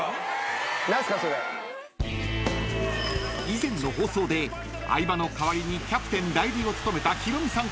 ［以前の放送で相葉の代わりにキャプテン代理を務めた］